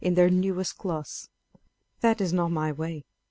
309 newest gloss." That is not my way.